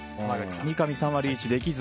三上さんはリーチできず。